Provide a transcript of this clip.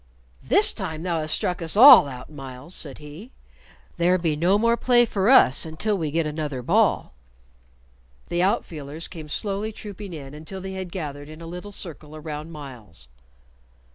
"This time thou hast struck us all out, Myles," said he. "There be no more play for us until we get another ball." The outfielders came slowly trooping in until they had gathered in a little circle around Myles.